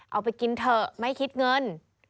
เอาไปกินเถอะไม่คิดเงิน